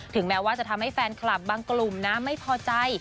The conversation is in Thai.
แม้ว่าจะทำให้แฟนคลับบางกลุ่มนะไม่พอใจ